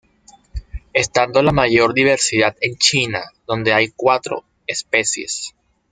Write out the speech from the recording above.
Estando la mayor diversidad en China, donde hay cuatro especies.